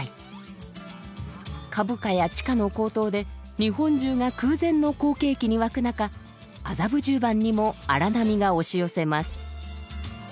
株価や地価の高騰で日本中が空前の好景気に沸く中麻布十番にも荒波が押し寄せます。